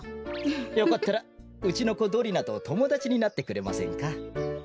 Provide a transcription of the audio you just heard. よかったらうちのこドリナとともだちになってくれませんか？